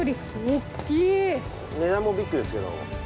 値段もビッグですよ。